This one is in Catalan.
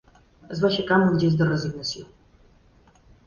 Es va aixecar amb un gest de resignació.